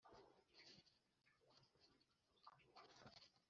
-umutima nama we waramushinjize